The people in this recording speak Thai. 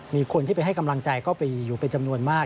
มีคนที่ไปให้กำลังใจก็ไปอยู่เป็นจำนวนมาก